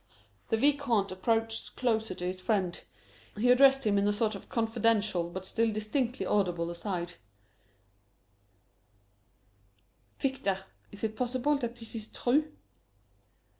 The Vicomte approached closer to his friend. He addressed him in a sort of confidential, but still distinctly audible, aside: "Victor, is it possible that this is true?"